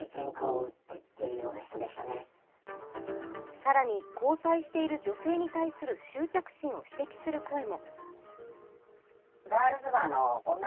更に交際している女性に対する執着心を指摘する声も。